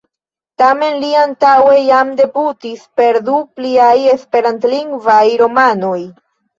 Tamen li antaŭe jam debutis per du pliaj esperantlingvaj romanoj.